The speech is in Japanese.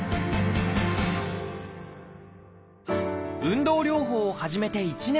運動療法を始めて１年。